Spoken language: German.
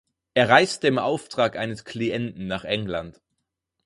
Er reiste im Auftrag eines Klienten nach England.